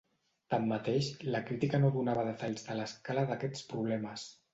Tanmateix, la crítica no donava detalls de l'escala d'aquests problemes.